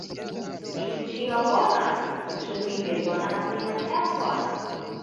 Ĉu ĉio bonas? Ĉu vi bezonas mian helpon?